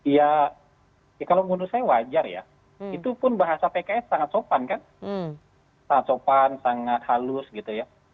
ya kalau menurut saya wajar ya itu pun bahasa pks sangat sopan kan sangat sopan sangat halus gitu ya